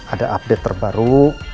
ada update terbaru